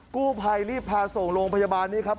กู้ภัยรีบพาส่งโรงพยาบาลนี่ครับ